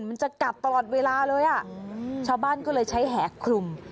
มันจะกัดตลอดเวลาเลยอ่ะชาวบ้านก็เลยใช้แห่คลุม